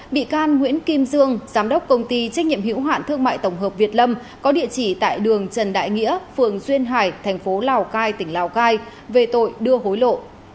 bị can nguyễn kim dương giám đốc công ty trách nhiệm hữu hạn thương mại tổng hợp việt lâm có địa chỉ tại đường trần đại nghĩa phường duyên hải thành phố lào cai tỉnh lào cai về tội đưa hối lộ